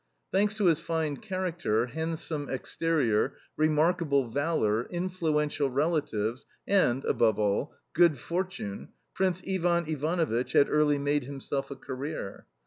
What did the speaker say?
Thanks to his fine character, handsome exterior, remarkable valour, influential relatives, and, above all, good fortune, Prince, Ivan Ivanovitch had early made himself a career.